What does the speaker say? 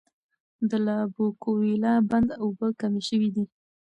د لابوکویلا بند اوبه کمې شوي دي.